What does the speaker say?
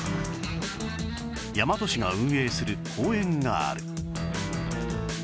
大和市が運営する公園がある